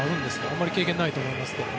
あまり経験ないと思いますが。